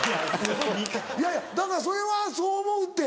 いやいやだからそれはそう思うって。